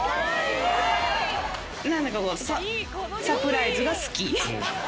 サプライズが好き。